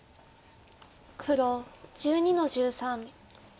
黒１２の十三。